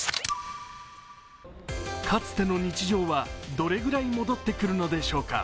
かつての日常はどれぐらい戻ってくるのでしょうか。